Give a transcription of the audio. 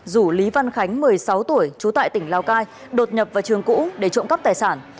rủ lý văn khánh một mươi sáu tuổi trú tại tỉnh lào cai đột nhập vào trường cũ để trộm cắp tài sản